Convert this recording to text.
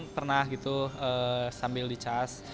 pernah gitu sambil dicas